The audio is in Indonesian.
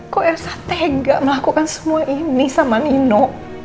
kok elsa tega melakukan semua ini sama nino